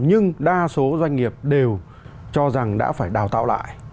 nhưng đa số doanh nghiệp đều cho rằng đã phải đào tạo lại